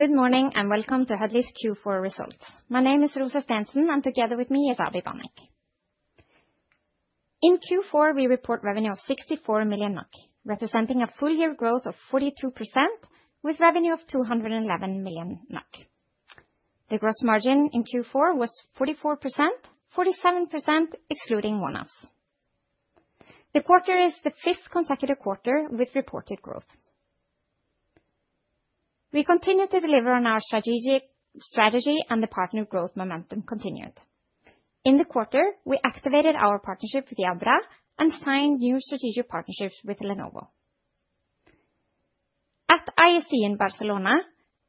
Good morning, and welcome to Huddly's Q4 results. My name is Rósa Stensen, and together with me is Abhijit Banik. In Q4, we report revenue of 64 million NOK, representing a full year growth of 42% with revenue of 211 million NOK. The gross margin in Q4 was 44%-47% excluding one-offs. The quarter is the fifth consecutive quarter with reported growth. We continue to deliver on our strategic strategy and the partner growth momentum continued. In the quarter, we activated our partnership with Jabra and signed new strategic partnerships with Lenovo. At ISE in Barcelona,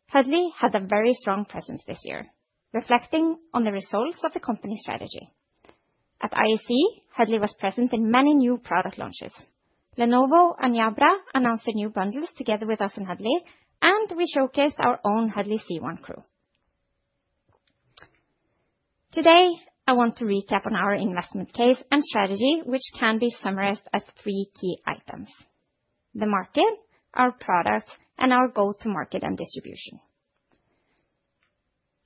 Huddly had a very strong presence this year, reflecting on the results of the company strategy. At ISE, Huddly was present in many new product launches. Lenovo and Jabra announced the new bundles together with us in Huddly, and we showcased our own Huddly C1 Crew. Today, I want to recap on our investment case and strategy, which can be summarized as three key items: the market, our product, and our go-to market and distribution.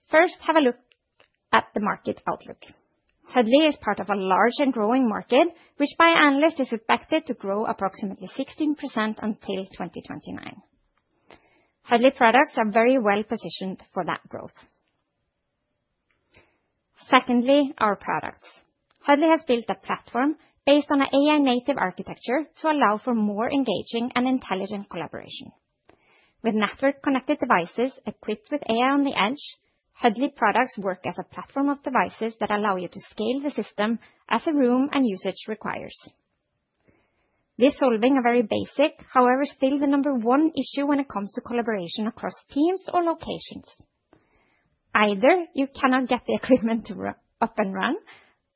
Have a look at the market outlook. Huddly is part of a large and growing market, which by analyst is expected to grow approximately 16% until 2029. Huddly products are very well-positioned for that growth. Our products. Huddly has built a platform based on an AI native architecture to allow for more engaging and intelligent collaboration. With network connected devices equipped with AI on the edge, Huddly products work as a platform of devices that allow you to scale the system as a room and usage requires. We're solving a very basic, however, still the number one issue when it comes to collaboration across teams or locations. Either you cannot get the equipment to up and run,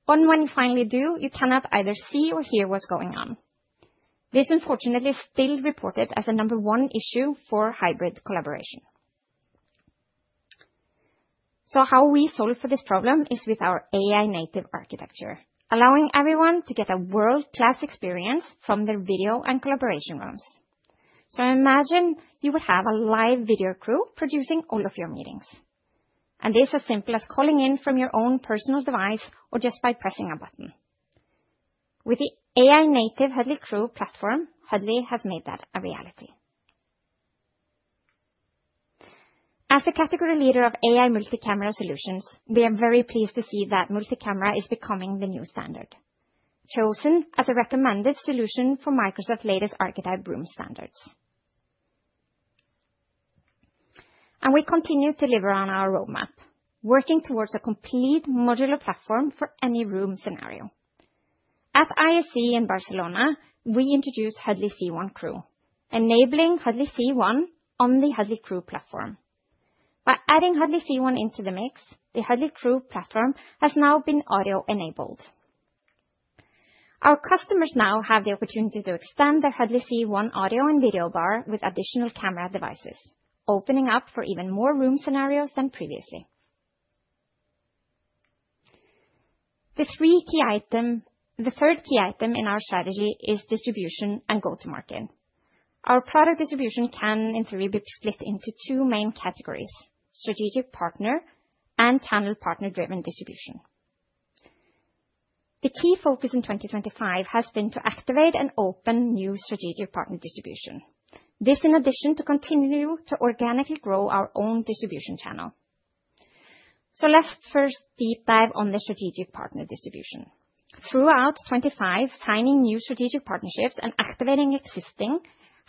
or when you finally do, you cannot either see or hear what's going on. This, unfortunately, is still reported as a number one issue for hybrid collaboration. How we solve for this problem is with our AI native architecture, allowing everyone to get a world-class experience from their video and collaboration rooms. Imagine you would have a live video crew producing all of your meetings, and it's as simple as calling in from your own personal device or just by pressing a button. With the AI native Huddly Crew platform, Huddly has made that a reality. As a category leader of AI multi-camera solutions, we are very pleased to see that multi-camera is becoming the new standard, chosen as a recommended solution for Microsoft latest Signature Teams Rooms. We continue to deliver on our roadmap, working towards a complete modular platform for any room scenario. At ISE in Barcelona, we introduced Huddly C1 Crew, enabling Huddly C1 on the Huddly Crew platform. By adding Huddly C1 into the mix, the Huddly Crew platform has now been audio enabled. Our customers now have the opportunity to extend their Huddly C1 audio and video bar with additional camera devices, opening up for even more room scenarios than previously. The third key item in our strategy is distribution and go to market. Our product distribution can, in theory, be split into two main categories, strategic partner and channel partner-driven distribution. The key focus in 2025 has been to activate and open new strategic partner distribution. This, in addition, to continue to organically grow our own distribution channel. Let's first deep dive on the strategic partner distribution. Throughout 2025, signing new strategic partnerships and activating existing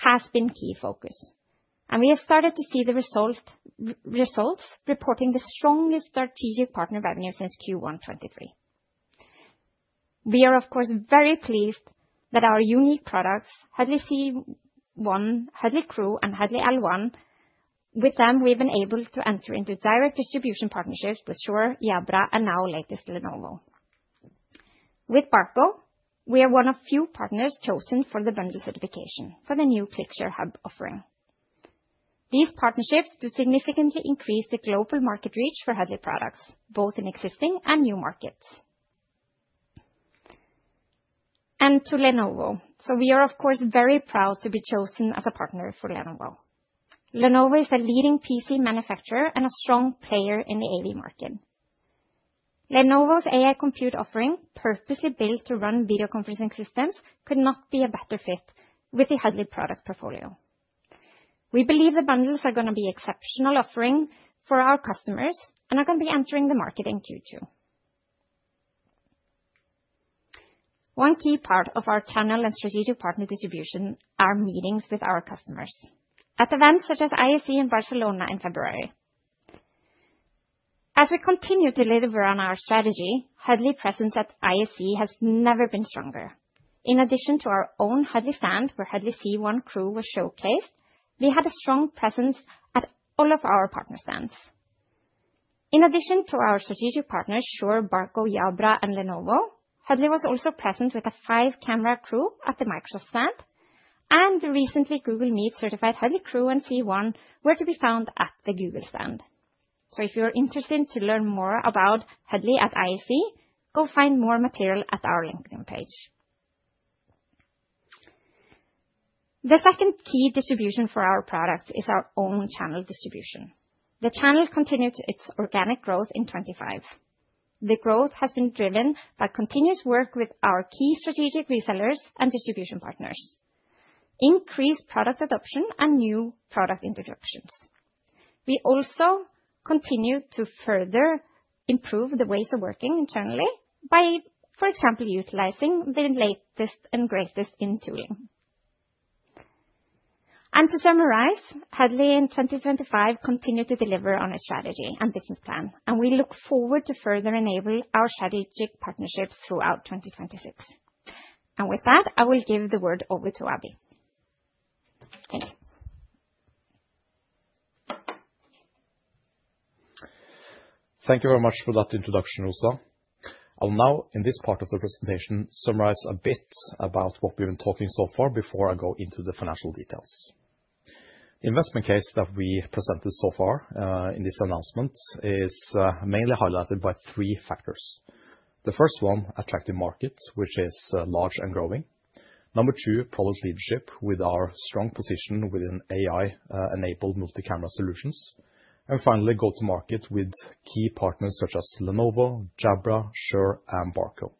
has been key focus, and we have started to see the results reporting the strongest strategic partner revenue since Q1 2023. We are, of course, very pleased that our unique products, Huddly C1, Huddly Crew, and Huddly L1. With them, we've been able to enter into direct distribution partnerships with Shure, Jabra, and now latest, Lenovo. With Barco, we are one of few partners chosen for the bundle certification for the new ClickShare Hub offering. These partnerships do significantly increase the global market reach for Huddly products, both in existing and new markets. To Lenovo. We are, of course, very proud to be chosen as a partner for Lenovo. Lenovo is a leading PC manufacturer and a strong player in the AV market. Lenovo's AI compute offering, purposely built to run video conferencing systems, could not be a better fit with the Huddly product portfolio. We believe the bundles are gonna be exceptional offering for our customers and are gonna be entering the market in Q2. One key part of our channel and strategic partner distribution are meetings with our customers. At events such as ISE in Barcelona in February. As we continue to deliver on our strategy, Huddly presence at ISE has never been stronger. In addition to our own Huddly stand, where Huddly C1 Crew was showcased, we had a strong presence at all of our partner stands. In addition to our strategic partners, Shure, Barco, Jabra, and Lenovo, Huddly was also present with a five-camera Crew at the Microsoft stand, and the recently Google Meet certified Huddly Crew and C1 were to be found at the Google stand. If you're interested to learn more about Huddly at ISE, go find more material at our LinkedIn page. The second key distribution for our products is our own channel distribution. The channel continued its organic growth in 2025. The growth has been driven by continuous work with our key strategic resellers and distribution partners, increased product adoption and new product introductions. We also continue to further improve the ways of working internally by, for example, utilizing the latest and greatest in tooling. To summarize, Huddly in 2025 continued to deliver on a strategy and business plan, and we look forward to further enable our strategic partnerships throughout 2026. With that, I will give the word over to Abhi. Thank you. Thank you very much for that introduction, Rósa. I'll now in this part of the presentation summarize a bit about what we've been talking so far before I go into the financial details. Investment case that we presented so far in this announcement is mainly highlighted by three factors. The first one, attractive market, which is large and growing. Number two, product leadership with our strong position within AI-enabled multi-camera solutions. Finally, go to market with key partners such as Lenovo, Jabra, Shure and Barco.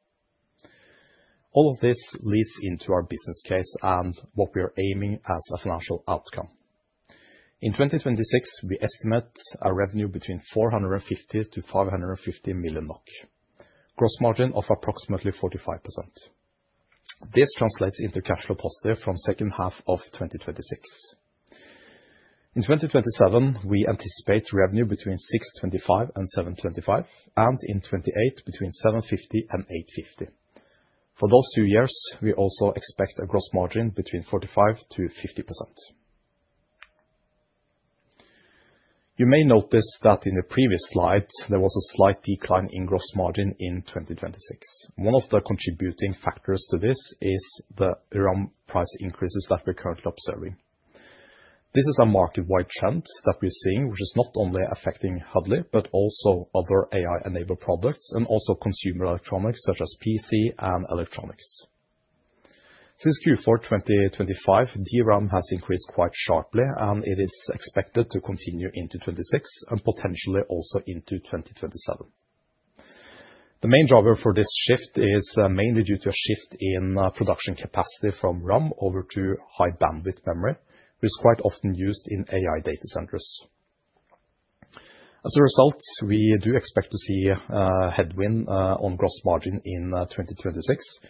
All of this leads into our business case and what we are aiming as a financial outcome. In 2026, we estimate a revenue between 450 million-550 million NOK. Gross margin of approximately 45%. This translates into cash flow positive from second half of 2026. In 2027, we anticipate revenue between 625 and 725, and in 2028 between 750 and 850. For those two years, we also expect a gross margin between 45%-50%. You may notice that in the previous slide, there was a slight decline in gross margin in 2026. One of the contributing factors to this is the DRAM price increases that we're currently observing. This is a market-wide trend that we're seeing, which is not only affecting Huddly, but also other AI-enabled products and also consumer electronics such as PC and electronics. Since Q4 2025, DRAM has increased quite sharply, and it is expected to continue into 2026 and potentially also into 2027. The main driver for this shift is mainly due to a shift in production capacity from RAM over to High Bandwidth Memory, which is quite often used in AI data centers. We do expect to see a headwind on gross margin in 2026.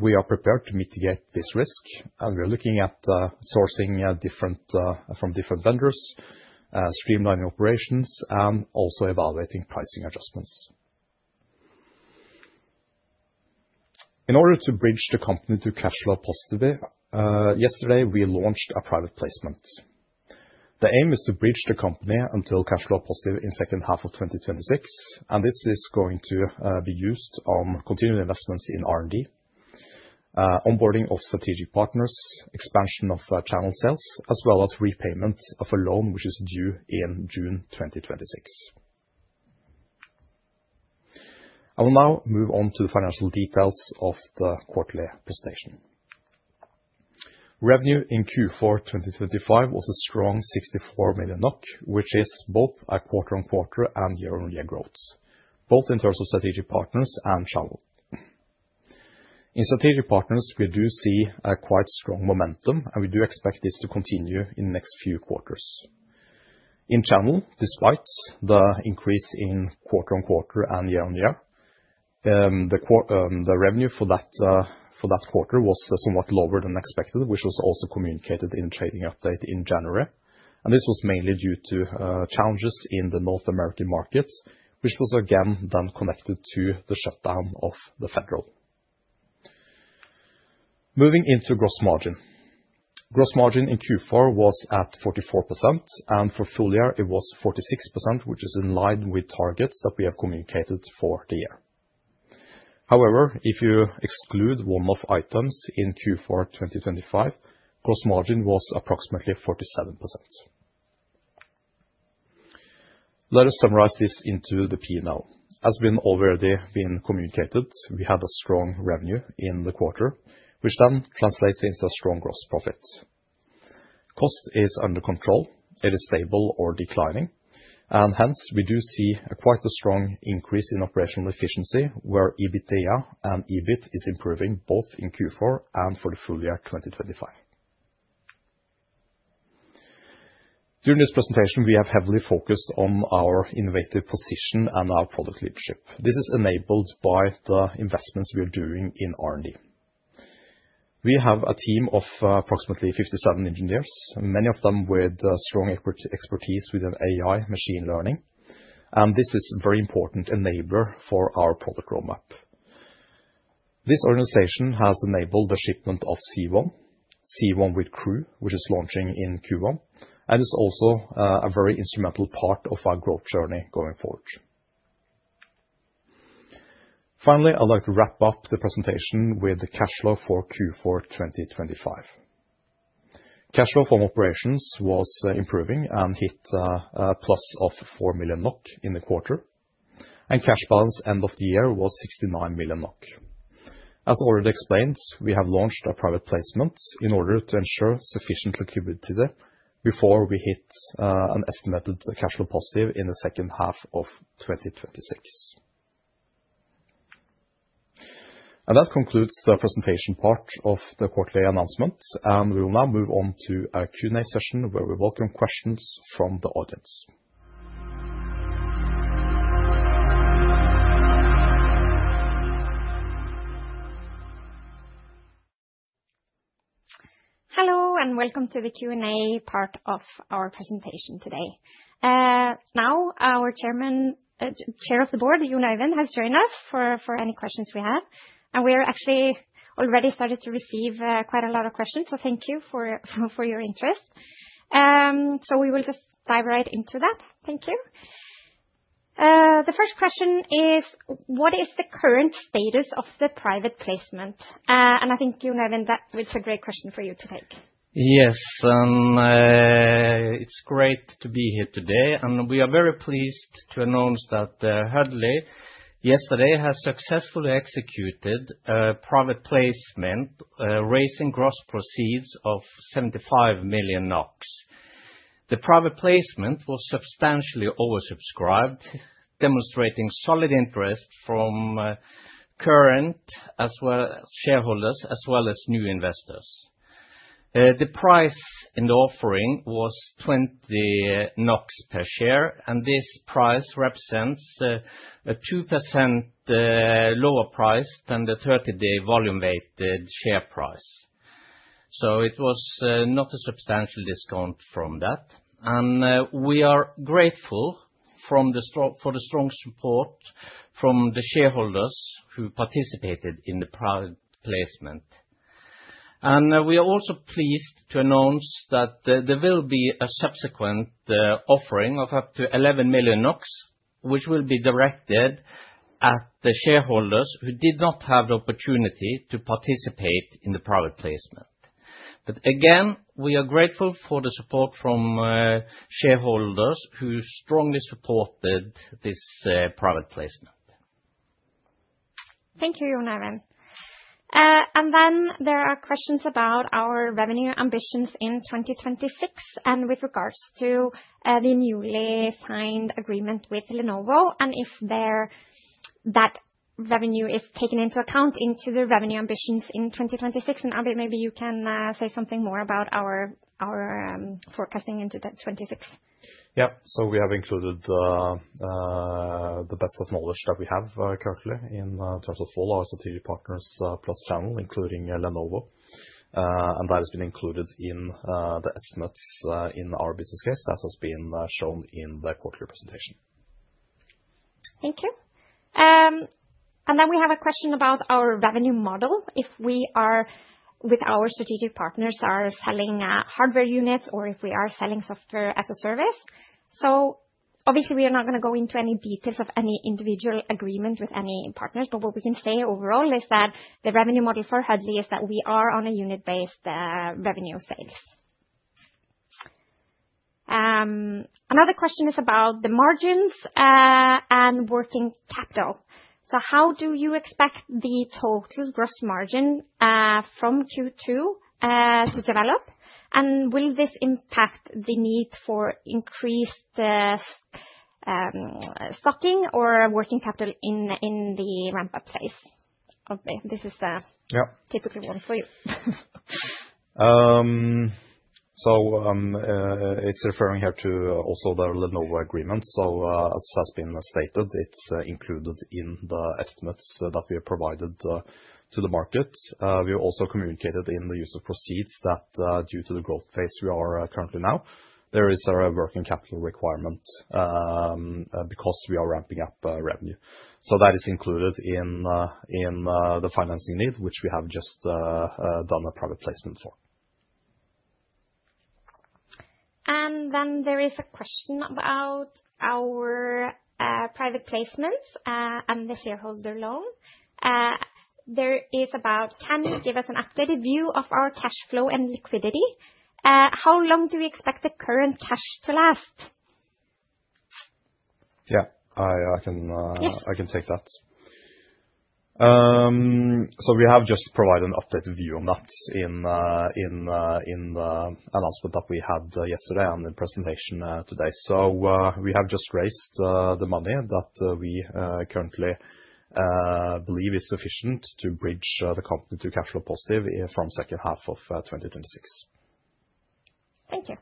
We are prepared to mitigate this risk, and we're looking at sourcing different from different vendors, streamlining operations and also evaluating pricing adjustments. In order to bridge the company to cash flow positive, yesterday we launched a private placement. The aim is to bridge the company until cash flow positive in second half of 2026, this is going to be used on continuing investments in R&D, onboarding of strategic partners, expansion of channel sales, as well as repayment of a loan which is due in June 2026. I will now move on to the financial details of the quarterly presentation. Revenue in Q4 2025 was a strong 64 million NOK, which is both a quarter-on-quarter and year-on-year growth, both in terms of strategic partners and channel. In strategic partners, we do see a quite strong momentum, and we do expect this to continue in the next few quarters. In channel, despite the increase in quarter-on-quarter and year-on-year, the revenue for that quarter was somewhat lower than expected, which was also communicated in trading update in January. This was mainly due to challenges in the North American markets, which was again then connected to the shutdown of the federal. Moving into gross margin. Gross margin in Q4 was at 44%, for full year it was 46%, which is in line with targets that we have communicated for the year. However, if you exclude one-off items in Q4 2025, gross margin was approximately 47%. Let us summarize this into the P&L. As already been communicated, we had a strong revenue in the quarter, which then translates into a strong gross profit. Cost is under control. It is stable or declining. Hence, we do see quite a strong increase in operational efficiency, where EBITDA and EBIT is improving, both in Q4 and for the full year 2025. During this presentation, we have heavily focused on our innovative position and our product leadership. This is enabled by the investments we are doing in R&D. We have a team of approximately 57 engineers, many of them with strong expertise within AI machine learning. This is very important enabler for our product roadmap. This organization has enabled the shipment of Huddly C1, Huddly C1 with Crew, which is launching in Q1, and is also a very instrumental part of our growth journey going forward. Finally, I'd like to wrap up the presentation with the cash flow for Q4 2025. Cash flow from operations was improving and hit a plus of 4 million NOK in the quarter, and cash balance end of the year was 69 million NOK. As already explained, we have launched a private placement in order to ensure sufficient liquidity before we hit an estimated cash flow positive in the second half of 2026. That concludes the presentation part of the quarterly announcement. We will now move on to our Q&A session, where we welcome questions from the audience. Hello, and welcome to the Q&A part of our presentation today. Now our chairman, Chair of the Board, Jon Øyvind, has joined us for any questions we have. We are actually already started to receive quite a lot of questions, so thank you for your interest. We will just dive right into that. Thank you. The first question is: What is the current status of the private placement? I think, Jon Øyvind, that it's a great question for you to take. Yes. It's great to be here today. We are very pleased to announce that Huddly yesterday has successfully executed a private placement, raising gross proceeds of 75 million NOK. The private placement was substantially oversubscribed, demonstrating solid interest from current shareholders as well as new investors. The price in the offering was 20 NOK per share. This price represents a 2% lower price than the 30-day volume weighted share price. It was not a substantial discount from that. We are grateful for the strong support from the shareholders who participated in the private placement. We are also pleased to announce that there will be a subsequent offering of up to 11 million NOK, which will be directed at the shareholders who did not have the opportunity to participate in the private placement. Again, we are grateful for the support from shareholders who strongly supported this private placement. Thank you, Jon Øyvind. There are questions about our revenue ambitions in 2026 and with regards to, the newly signed agreement with Lenovo and if that revenue is taken into account into the revenue ambitions in 2026. Abhi, maybe you can say something more about our, forecasting into 2026. Yeah. We have included the best of knowledge that we have currently in terms of all our strategic partners, plus channel, including Lenovo. That has been included in the estimates in our business case, as has been shown in the quarterly presentation. Thank you. Then we have a question about our revenue model, if we are, with our strategic partners, are selling hardware units or if we are selling software as a service. Obviously we are not gonna go into any details of any individual agreement with any partners, but what we can say overall is that the revenue model for Huddly is that we are on a unit-based revenue sales. Another question is about the margins and working capital. How do you expect the total gross margin from Q2 to develop, and will this impact the need for increased stocking or working capital in the ramp-up phase? Abhi, this is. Yeah. Typical one for you. It's referring here to also the Lenovo agreement. As has been stated, it's included in the estimates that we have provided to the market. We also communicated in the use of proceeds that due to the growth phase we are currently now, there is a working capital requirement because we are ramping up revenue. That is included in the financing need, which we have just done a private placement for. There is a question about our private placements and the shareholder loan. Can you give us an updated view of our cash flow and liquidity? How long do we expect the current cash to last? Yeah. I can. Yeah. I can take that. We have just provided an updated view on that in the announcement that we had yesterday and the presentation today. We have just raised the money that we currently believe is sufficient to bridge the company to cash flow positive from second half of 2026. Thank you.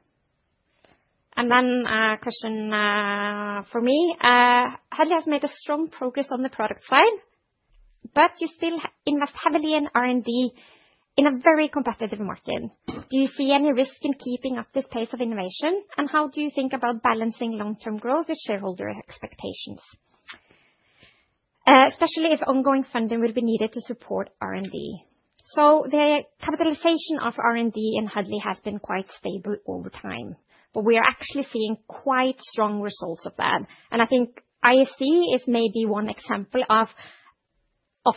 A question for me. Huddly has made a strong progress on the product side, but you still invest heavily in R&D in a very competitive market. Do you see any risk in keeping up this pace of innovation, and how do you think about balancing long-term growth with shareholder expectations, especially if ongoing funding will be needed to support R&D? The capitalization of R&D in Huddly has been quite stable over time, but we are actually seeing quite strong results of that. I think ISE is maybe one example of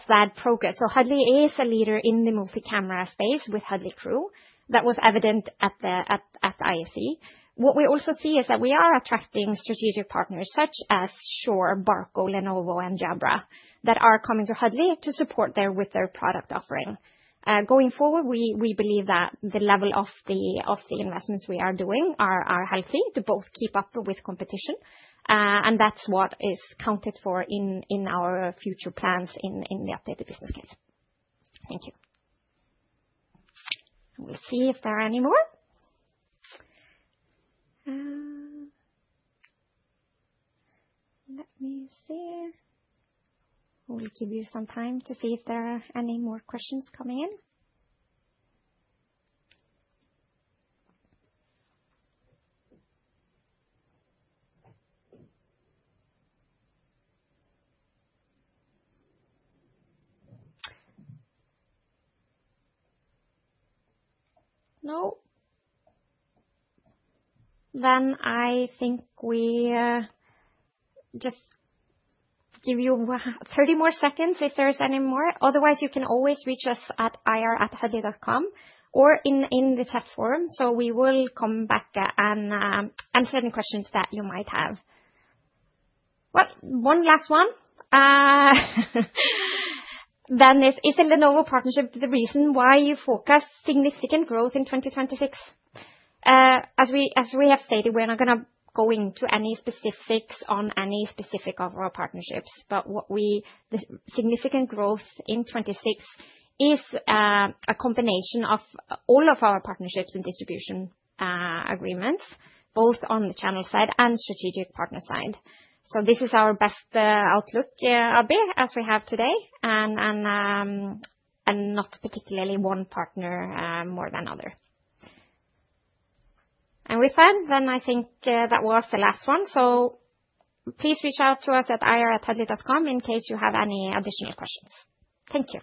that progress. Huddly is a leader in the multi-camera space with Huddly Crew. That was evident at the ISE. What we also see is that we are attracting strategic partners such as Shure, Barco, Lenovo, and Jabra that are coming to Huddly to support with their product offering. Going forward, we believe that the level of the investments we are doing are healthy to both keep up with competition, that's what is accounted for in our future plans in the updated business case. Thank you. We'll see if there are any more. Let me see. We'll give you some time to see if there are any more questions coming in. No? I think we just give you 30 more seconds if there's any more. Otherwise, you can always reach us at ir@huddly.com or in the chat forum. We will come back and answer any questions that you might have. Well, one last one. Dannus: "Isn't Lenovo partnership the reason why you forecast significant growth in 2026?" As we have stated, we're not gonna go into any specifics on any specific of our partnerships. The significant growth in 2026 is a combination of all of our partnerships and distribution agreements, both on the channel side and strategic partner side. This is our best outlook, Abhi, as we have today, and not particularly one partner more than other. With that, I think that was the last one. Please reach out to us at ir@huddly.com in case you have any additional questions. Thank you.